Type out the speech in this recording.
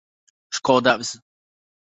Škoda vz.